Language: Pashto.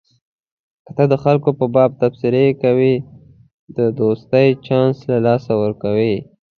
که ته د خلکو په باب تبصرې کوې د دوستۍ چانس له لاسه ورکوې.